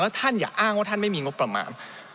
ท่านอย่าอ้างว่าท่านไม่มีงบประมาณ